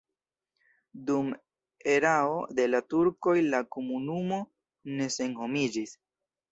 Dum erao de la turkoj la komunumo ne senhomiĝis.